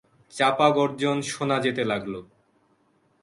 চাপা গর্জন শোনা যেতে লাগল।